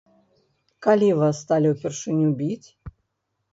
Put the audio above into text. Калі вас сталі ўпершыню біць?